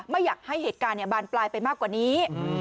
ไม่อยากให้เหตุการณ์บานปลายไปมากกว่านี้